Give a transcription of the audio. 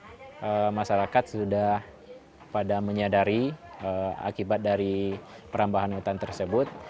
jadi sekarang masyarakat sudah pada menyadari akibat dari perambahan hutan tersebut